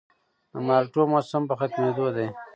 د مالټو موسم په ختمېدو دی